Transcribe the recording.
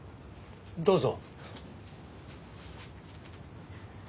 どうぞ。